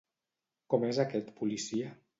Com és aquest policia?